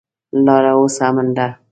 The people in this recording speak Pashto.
لاره اوس امن ده.